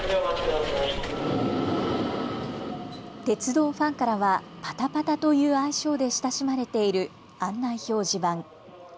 鉄道ファンからはパタパタという愛称で親しまれている案内表示板。